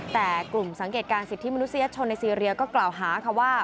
แต่กลุ่มสังเกตการสิทธิมนุษยชนในซีเรียก็กล่าวหาค่ะว่า